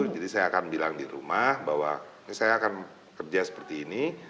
jadi saya akan bilang di rumah bahwa saya akan kerja seperti ini